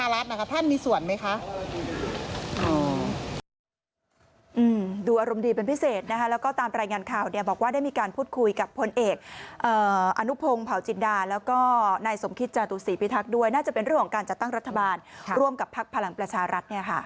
ร่วมพิจารณาตั้งรัฐบาลกับภักดิ์พลังประชารัฐท่านมีส่วนมั้ยคะ